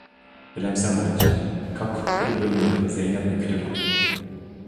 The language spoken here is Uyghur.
بىلەمسەن غۇنچەم، كاككۇك بىر ئۆمۈر زەينەپنى كۈتىدۇ.